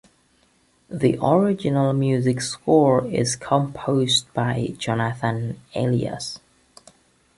The original music score is composed by Jonathan Elias.